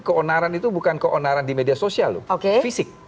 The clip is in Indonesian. keonaran itu bukan keonaran di media sosial loh fisik